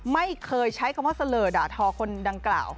ไม่เคยใช้คำว่าเสลอด่าทอคนดังกล่าว